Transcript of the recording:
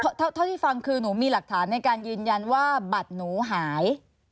เท่าที่ฟังคือหนูมีหลักฐานในการยืนยันว่าบัตรหนูหาย